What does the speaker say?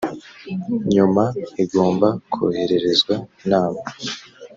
nyuma igomba kohererezwa inama